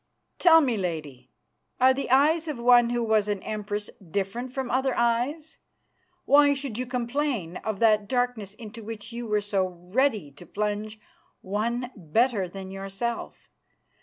"Tell me, Lady, are the eyes of one who was an Empress different from other eyes? Why should you complain of that darkness into which you were so ready to plunge one better than yourself.